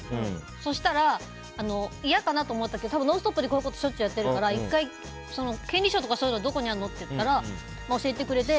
そしたら、嫌かなと思ったけど「ノンストップ！」でこういうことをしょっちゅうやってるから１回、権利書とかどこにあるの？って言ったら教えてくれて。